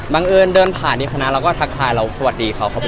บังเอิญเดินผ่านที่คณะเราก็ถักทายตามจะสวัสดีกับพี่เขา